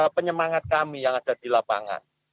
penyemangat kami yang ada di lapangan